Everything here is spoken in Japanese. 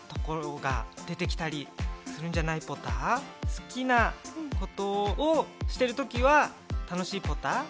好きなことをしてるときは楽しいポタ？